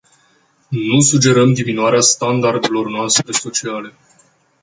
Nu sugerăm diminuarea standardelor noastre sociale.